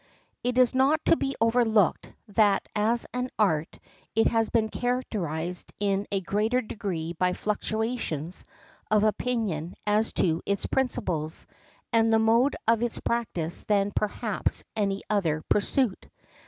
It is not to be overlooked that as an art it has been characterised in a greater degree by fluctuations of opinion as to its principles and the mode of its practice than perhaps any other pursuit.